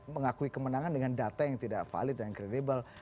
mengakui kemenangan dengan data yang tidak valid yang kredibel